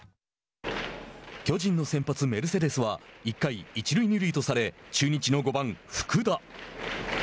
巨人の先発メルセデスは１回、一塁二塁とされ中日の５番福田。